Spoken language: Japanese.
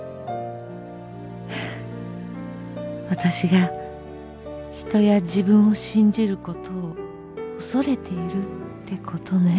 「私が人や自分を信じる事を恐れてるって事ね」。